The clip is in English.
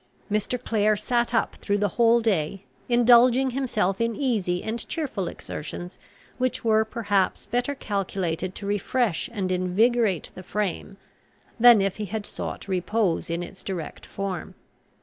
Mr. Clare sat up through the whole day, indulging himself in easy and cheerful exertions, which were perhaps better calculated to refresh and invigorate the frame, than if he had sought repose in its direct form.